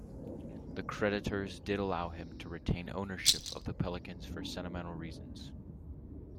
The creditors did allow him to retain ownership of the Pelicans for sentimental reasons.